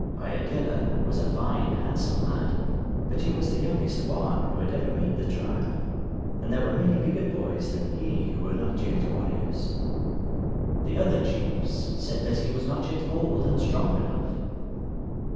Iadilla was a fine handsome lad, but he was the youngest one who had ever made the trial, and there were many bigger boys than he who were not yet warriors. The other chiefs said that he was not yet old and strong enough.